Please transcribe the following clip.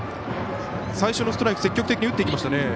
最初のストライク積極的に打っていきましたね。